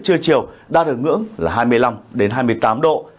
trưa chiều đa đường ngưỡng là hai mươi năm đến hai mươi tám độ